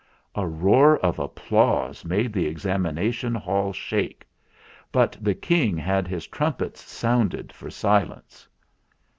A roar of applause made the Examination Hall shake; but the King had his trumpets sounded for silence.